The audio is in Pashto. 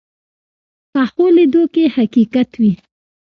پخو لیدو کې حقیقت وي